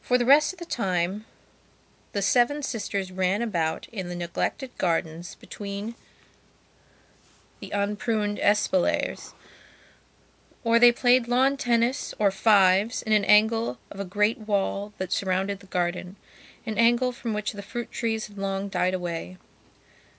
For the rest of the time the seven sisters ran about in the neglected gardens between the unpruned espaliers. Or they played lawn tennis or fives in an angle of a great wall that surrounded the gardenan angle from which the fruit trees had long died away.